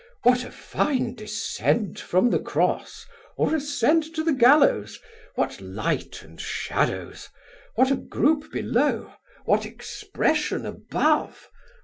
what a fine descent from the cross, or ascent to the gallows! what lights and shadows! what a groupe below! what expression above!